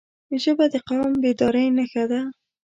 ژبه د قوم بیدارۍ نښه ده